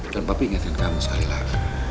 dan papa ingatkan kamu sekali lagi